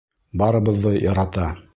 Барыбыҙҙы ярата.